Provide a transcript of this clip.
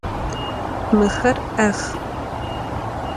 Mıxer 'ex.